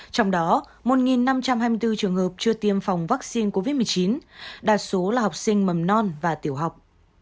trong đó một năm trăm hai mươi bốn trường hợp chưa tiêm phòng vaccine covid một mươi chín đa số là học sinh mầm non và tiểu học